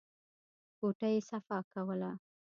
کوټه يې صفا کوله.